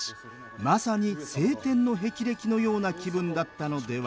まさに青天の霹靂のような気分だったのでは？